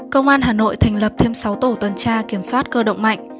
công an hà nội thành lập thêm sáu tổ tuần tra kiểm soát cơ động mạnh